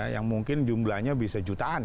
yang mungkin jumlahnya bisa jutaan